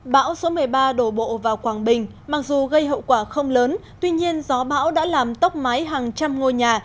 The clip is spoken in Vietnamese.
bão số một mươi ba đổ bộ vào quảng bình mặc dù gây hậu quả không lớn tuy nhiên gió bão đã làm tốc máy hàng trăm ngôi nhà